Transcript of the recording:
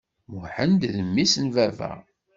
Muḥend d mmi-s n baba.